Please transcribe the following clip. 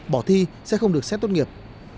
bỏ thi sẽ không được xét tốt nghiệp